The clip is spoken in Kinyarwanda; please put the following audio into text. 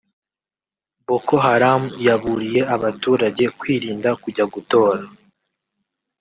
Boko Haram yaburiye abaturage kwirinda kujya gutora